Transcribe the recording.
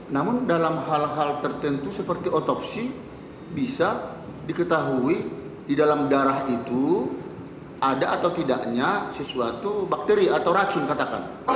namun dalam hal hal tertentu seperti otopsi bisa diketahui di dalam darah itu ada atau tidaknya sesuatu bakteri atau racun katakan